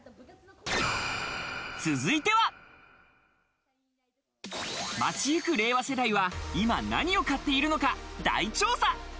続いては、街行く令和世代は今、何を買っているのか、大調査。